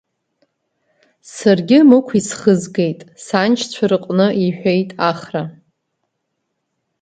Саргьы Мықә исхызгеит, саншьцәа рҟны, – иҳәеит Ахра.